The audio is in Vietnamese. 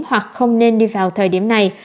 hoặc không nên đi vào thời điểm này